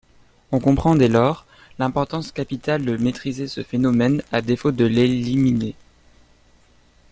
On comprend dès lors l'importance capitale de maîtriser ce phénomène à défaut de l'éliminer.